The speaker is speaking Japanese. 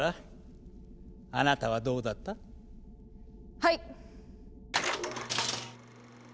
はい。